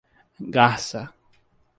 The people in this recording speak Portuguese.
Garça